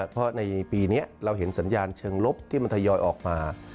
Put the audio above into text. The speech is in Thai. เพราะในปีนี้เราเห็นสัญญาณเชิงลบที่มันทยอยออกมา